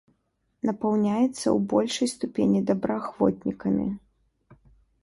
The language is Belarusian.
Напаўняецца ў большай ступені добраахвотнікамі.